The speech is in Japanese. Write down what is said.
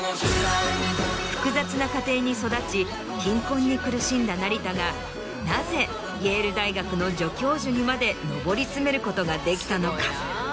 複雑な家庭に育ち貧困に苦しんだ成田がなぜイェール大学の助教授にまで上り詰めることができたのか？